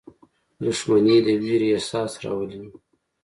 • دښمني د ویرې احساس راولي.